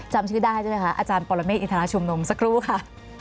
จำชื่อได้ด้วยนะคะอาจารย์ปอลเมฆอินทราชมนมสักครู่ค่ะ